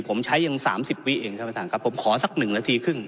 ผมใช้ยัง๓๐วิเองท่านประธานครับผมขอสักหนึ่งนาทีครึ่ง